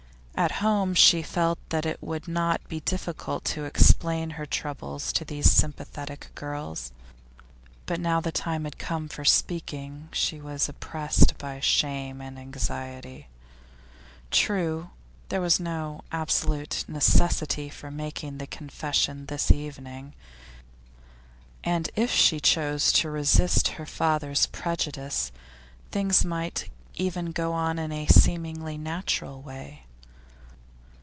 At home she had felt that it would not be difficult to explain her troubles to these sympathetic girls, but now the time had come for speaking, she was oppressed by shame and anxiety. True, there was no absolute necessity for making the confession this evening, and if she chose to resist her father's prejudice, things might even go on in a seemingly natural way.